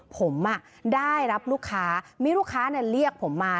ผมอ่ะได้รับลูกค้ามีลูกค้าเนี่ยเรียกผมมา